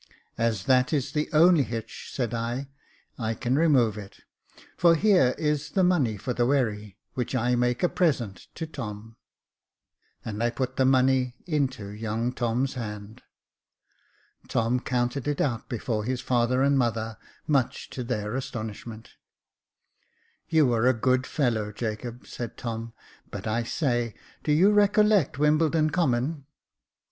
"As that is the only hitch," said I, "I can remove it, for here is the money for the wherry, which I make a present to Tom," and I put the money into young Tom's hand. Tom counted it out before his father and mother, much to their astonishment. "You are a good fellow, Jacob," said Tomj "but I say, do you recollect Wimbledon Common ?